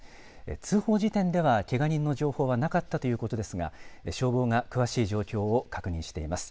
通報時点ではけが人の情報はなかったということですが消防が詳しい状況を確認しています。